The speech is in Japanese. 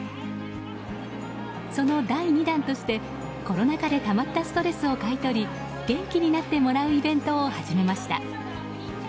その第２弾としてコロナ禍でたまったストレスを買い取り元気になってもらうイベントを始めました。